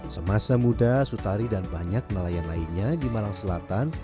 semasa muda sutari dan banyak nelayan lainnya di malang selatan